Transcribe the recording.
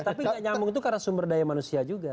tapi gak nyambung itu karena sumber daya manusia juga